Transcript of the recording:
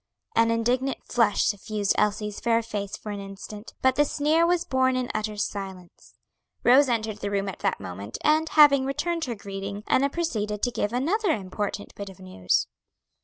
An indignant flush suffused Elsie's fair face for an instant; but the sneer was borne in utter silence. Rose entered the room at that moment, and, having returned her greeting, Enna proceeded to give another important bit of news.